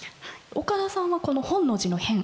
岡田さんはこの本能寺の変。